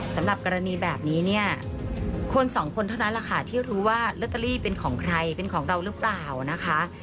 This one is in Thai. สำหรับกรณีแบบนี้เนี่ยคนสองคนเท่านั้นแหละค่ะที่รู้ว่าลอตเตอรี่เป็นของใครเป็นของเราหรือเปล่านะคะ